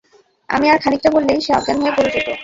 আমি আর খানিকটা বললেই সে অজ্ঞান হয়ে পড়ে যেত।